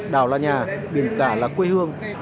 đảo là nhà biển cả là quê hương